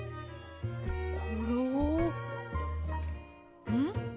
コロん？